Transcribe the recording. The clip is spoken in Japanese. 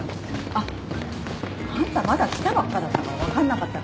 あっあんたまだ来たばっかだったから分かんなかったか。